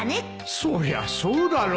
そりゃそうだろう